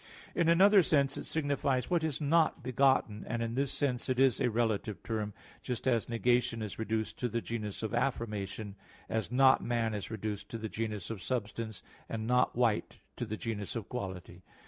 In another sense it signifies what is not begotten, and in this sense it is a relative term; just as negation is reduced to the genus of affirmation, as "not man" is reduced to the genus of substance, and "not white" to the genus of quality.